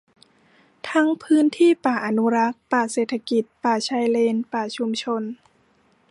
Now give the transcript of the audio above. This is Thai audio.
ทั้งพื้นที่ป่าอนุรักษ์ ป่าเศรษฐกิจ ป่าชายเลน ป่าชุมชน